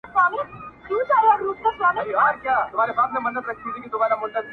چي سمسور افغانستان لیدلای نه سي-